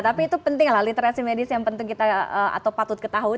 tapi itu penting lah literasi medis yang penting kita atau patut ketahui